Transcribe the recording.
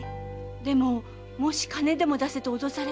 でももし金を出せと脅されたら。